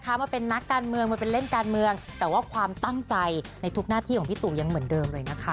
ทำพี่หมดสมัยเทอมพี่ก็ได้